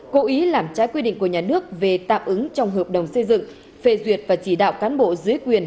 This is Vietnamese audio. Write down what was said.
cố ý làm trái quy định của nhà nước về tạm ứng trong hợp đồng xây dựng phê duyệt và chỉ đạo cán bộ dưới quyền